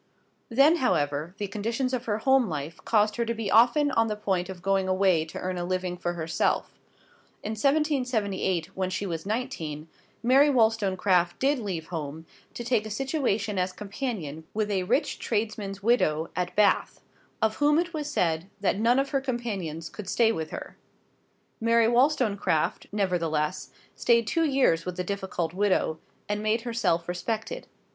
Then, however, the conditions of her home life caused her to be often on the point of going away to earn a living for herself. In 1778, when she was nineteen, Mary Wollstonecraft did leave home, to take a situation as companion with a rich tradesman's widow at Bath, of whom it was said that none of her companions could stay with her. Mary Wollstonecraft, nevertheless, stayed two years with the difficult widow, and made herself respected.